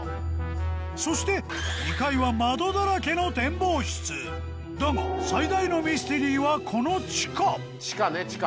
そして２階は窓だらけの展望室だが最大のミステリーはこの地下地下ね地下。